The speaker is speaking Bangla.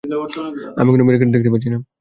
আমি কোনো ব্যারিকেড দেখতে পাচ্ছি না।